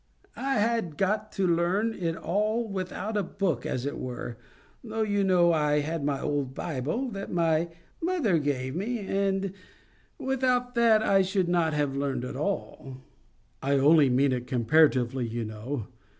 I had got to learn it all without book, as it were, though you know I had my old Bible, that my mother gave me, and without that I should not have learned it at all." "I only mean it comparatively, you know.